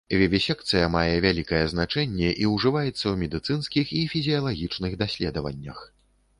Вівісекцыя мае вялікае значэнне і ўжываецца ў медыцынскіх і фізіялагічных даследаваннях.